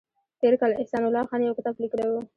تېر کال احسان الله خان یو کتاب لیکلی و